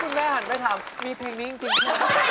แล้วคุณแม่หันไปถามมีเพลงนี้จริง